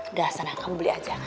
nggak senang kamu beli aja